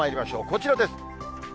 こちらです。